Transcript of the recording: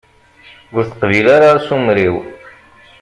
Ur teqbil ara asumer-iw.